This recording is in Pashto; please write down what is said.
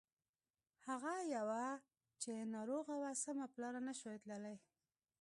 هغه يوه چې ناروغه وه سمه په لاره نه شوه تللای.